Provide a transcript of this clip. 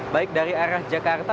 baik dari arah jakarta